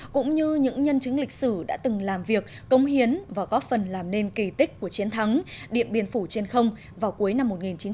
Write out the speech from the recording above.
cũng như những nhân chứng lịch sử đã từng làm việc công hiến và góp phần làm nên kỳ tích của chiến thắng điện biên phủ trên không vào cuối năm một nghìn chín trăm bảy mươi năm